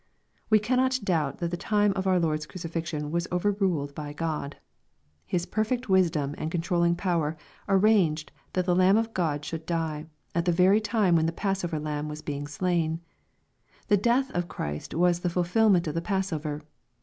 We cannot doubt that the time of our Lord's cruci fixion was overruled by God. His perfect wisdom and controlling power arranged that the Lamb of God should die, at the very time when the passover lamb was being slain. The death of Christ was the fulfilment of the passover.